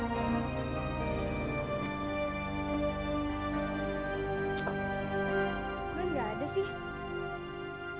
glenn nggak ada sih